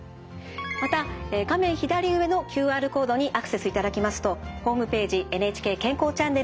また画面左上のＱＲコードにアクセスいただきますとホームページ「ＮＨＫ健康チャンネル」につながります。